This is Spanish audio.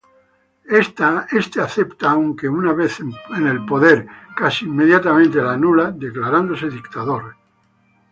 Este acepta, aunque una vez en poder casi inmediatamente la anula, declarándose dictador.